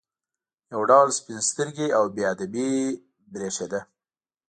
یو ډول سپین سترګي او بې ادبي برېښېده.